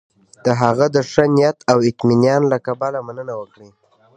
د هغه د ښه نیت او اطمینان له کبله مننه وکړي.